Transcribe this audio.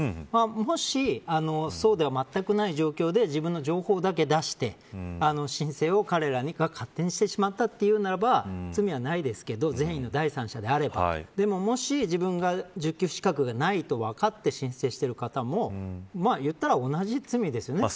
もし、そうではまったくない状況で自分の情報だけ出して申請を彼らが勝手にしてしまったというならば罪がないですけれど善意の第三者であればでも、もし自分が受給資格がないと分かって申請している方も言ったら同じ罪ですよね。